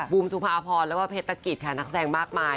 บุมสุภาพรแล้วก็เพศกิจค่ะนักแสงมากมาย